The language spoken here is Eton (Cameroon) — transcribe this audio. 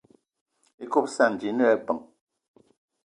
Ikob íssana ji íne lebeng.